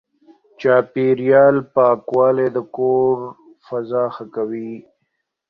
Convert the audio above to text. چاپېريال پاکوالی د کور فضا ښه کوي.